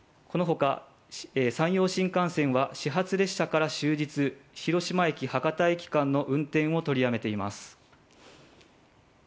このほか、山陽新幹線は始発列車から終日、広島駅−博多駅間の運転を取りやめています。